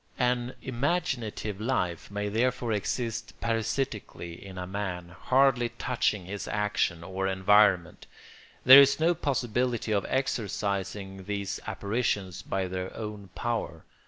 An imaginative life may therefore exist parasitically in a man, hardly touching his action or environment. There is no possibility of exorcising these apparitions by their own power.